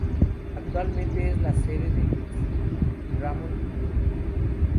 Actualmente es la sede del Institut Ramon Llull.